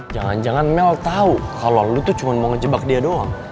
jangan jangan mel tahu kalau lu tuh cuma mau ngejebak dia doang